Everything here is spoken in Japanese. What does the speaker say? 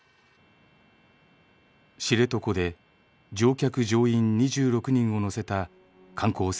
知床で乗客・乗員２６人を乗せた観光船